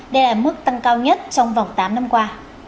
đây là mức tăng cao nhất trong vòng tám năm qua